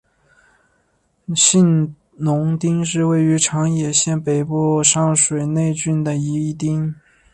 信浓町是位于长野县北部上水内郡的一町。